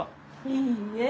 いいえ。